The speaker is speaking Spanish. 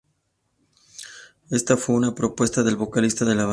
Esta fue una propuesta del vocalista de la banda.